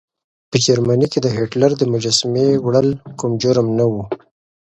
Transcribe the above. په جرمني کې د هېټلر د مجسمې وړل کوم جرم نه و.